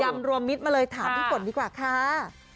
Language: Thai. ำรวมมิตรมาเลยถามพี่ฝนดีกว่าค่ะ